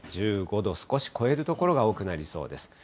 １５度少し超える所が多くなりそうです。